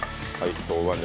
で豆板醤？